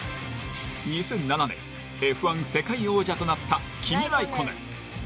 ２００７年Ｆ１世界王者となったキミ・ライコネン。